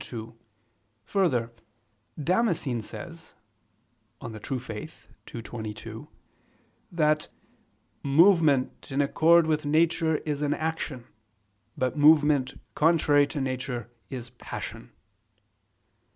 2: Further, Damascene says (De Fide Orth. ii, 22) that "movement in accord with nature is an action, but movement contrary to nature is passion."